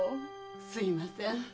すみません。